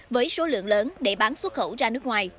với số lượng lớn để bán xuất khẩu ra nước ngoài